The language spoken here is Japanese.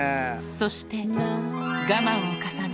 そして我慢を重ね